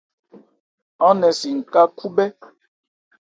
Án nɛn si n ká khúbhɛ́.